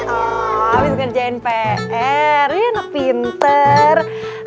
oh abis ngerjain pr ini enak pinter